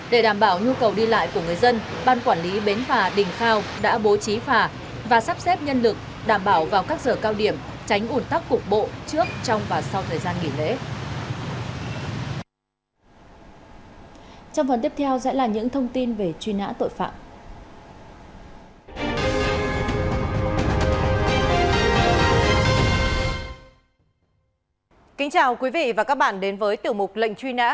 để đảm bảo nhu cầu đi lại của người dân ban quản lý bến phà đình khao đã bố trí phà và sắp xếp nhân lực đảm bảo vào các giờ cao điểm tránh ủn tắc cục bộ trước trong và sau thời gian nghỉ lễ